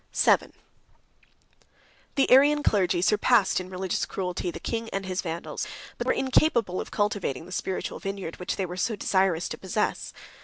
VII. The Arian clergy surpassed in religious cruelty the king and his Vandals; but they were incapable of cultivating the spiritual vineyard, which they were so desirous to possess.